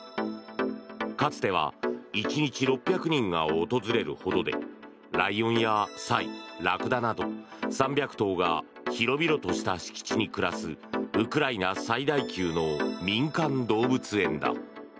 かつては１日６００人が訪れるほどでライオンやサイ、ラクダなど３００頭が広々とした敷地に暮らすウクライナ最大級の民間動物園だ。